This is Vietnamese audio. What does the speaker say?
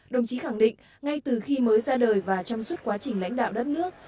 đồng chí khẳng định ngay từ khi mới ra đời và trong suốt quá trình lãnh đạo đất nước